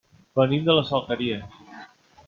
Venim de les Alqueries.